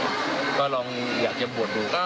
อยากจะบวชอยากจะบวชดู